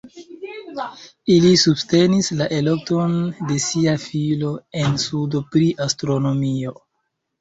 Ili subtenis la elekton de sia filo en studo pri astronomio.